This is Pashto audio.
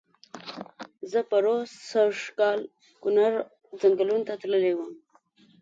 زه پرو سږ کال کونړ ځنګلونو ته تللی وم.